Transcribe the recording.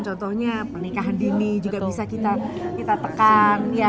contohnya pernikahan dini juga bisa kita tekan